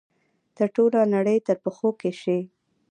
ته ټوله نړۍ تر پښو کښی شي